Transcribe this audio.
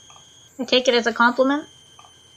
I take it as a compliment.